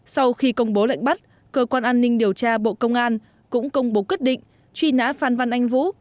sau khi công bố lệnh bắt cơ quan an ninh điều tra bộ công an cũng công bố quyết định truy nã phan văn anh vũ